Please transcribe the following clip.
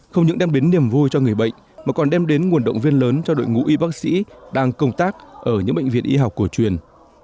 không những đem đến niềm vui cho người bệnh mà còn đem đến nguồn động viên lớn cho đội ngũ y bác sĩ đang công tác ở những bệnh viện y học cổ truyền